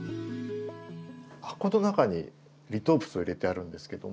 箱の中にリトープスを入れてあるんですけども。